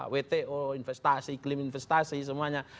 wto investasi iklim investasi semuanya